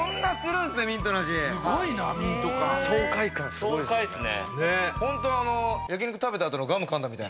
爽快感、すごいっすね。